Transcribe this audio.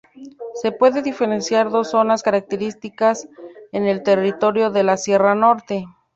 Se puede diferenciar dos zonas características en el territorio de la Sierra Norte.